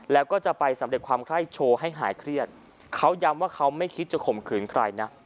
แล้วก็จะไปสำเร็จความไข้โชว์ให้หายเครียดเขาย้ำว่าเขาไม่คิดจะข่มขืนใครนะ